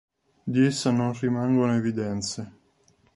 Di essa non rimangono evidenze.